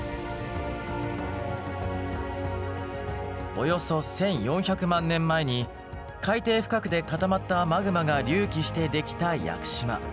およそ１，４００万年前に海底深くで固まったマグマが隆起してできた屋久島。